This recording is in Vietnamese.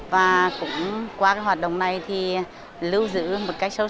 và cũng qua cái hoạt động này thì lưu giữ một cách sâu